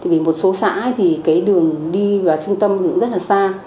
vì một số xã thì cái đường đi vào trung tâm cũng rất là xa